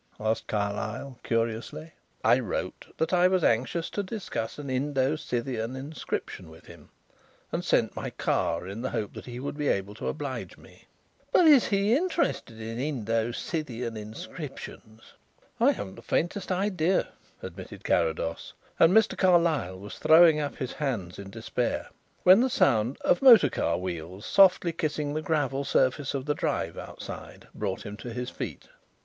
asked Carlyle curiously. "I wrote that I was anxious to discuss an Indo Scythian inscription with him, and sent my car in the hope that he would be able to oblige me." "But is he interested in Indo Scythian inscriptions?" "I haven't the faintest idea," admitted Carrados, and Mr. Carlyle was throwing up his hands in despair when the sound of a motor car wheels softly kissing the gravel surface of the drive outside brought him to his feet.